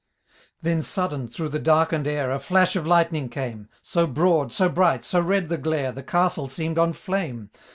Then sudden, through the darkened air A flash of lightning came ; So broad, so bright, so red the glare. The castle seem*d on flame.